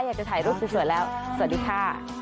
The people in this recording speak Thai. อยากจะถ่ายรูปสวยแล้วสวัสดีค่ะ